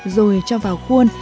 rồi cho vào khuôn